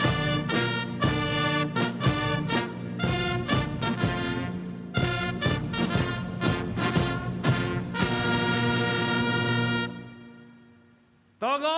tanda kebesaran buka